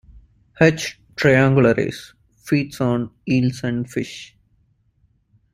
"H. triangularis" feeds on eels and fish.